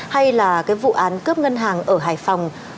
hay là cái vụ án cướp ngân hàng ở hải phòng